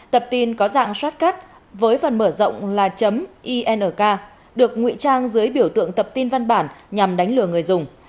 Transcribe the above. tập tin có dạng shartcale với phần mở rộng là ink được ngụy trang dưới biểu tượng tập tin văn bản nhằm đánh lừa người dùng